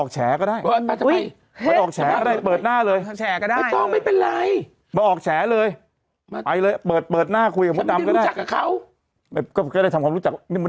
เจี๊ยบวันจันเลยดีกว่าเจี๊ยบดูอยู่วันจันเลย